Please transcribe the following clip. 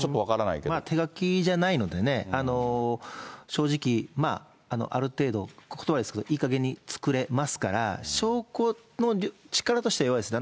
手書きじゃないのでね、正直、ある程度、ことばは悪いですけれども、いいかげんに作れますから、証拠の力としては弱いですね。